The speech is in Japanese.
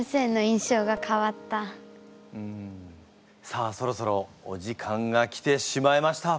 さあそろそろお時間が来てしまいました。